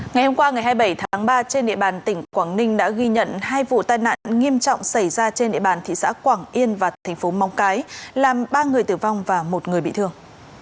ngày hôm qua ngày hai mươi bảy tháng ba trên địa bàn tỉnh quảng ninh đã ghi nhận hai vụ tai nạn nghiêm trọng xảy ra trên địa bàn thị xã quảng yên và thành phố móng cái làm ba người tử vong và một người bị thương